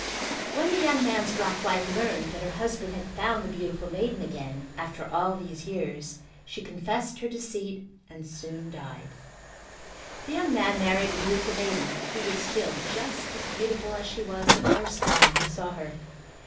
When the young man's black wife learned that her husband had found the beautiful maiden again after all these years she confessed her deceit and soon died. The young man married the beautiful maiden who was still just as beautiful as she was the first time he saw her.